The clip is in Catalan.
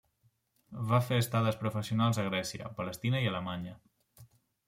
Va fer estades professionals a Grècia, Palestina i Alemanya.